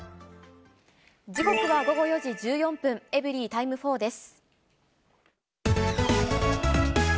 時刻は午後４時１４分、エブリィタイム４です。